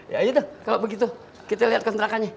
ya sudah kalau begitu kita lihat kontrakannya